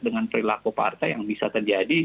dengan perilaku partai yang bisa terjadi